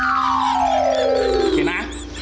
โอเคนะ